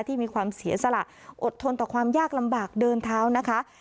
ที่มีความเสียสละอดทนต่อความยากลำบากเดินเท้านะคะ